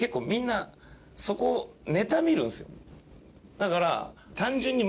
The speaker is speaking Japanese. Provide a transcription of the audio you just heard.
だから。